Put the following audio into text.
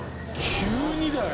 急にだよ。